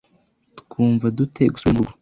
Twumva dute gusubira murugo?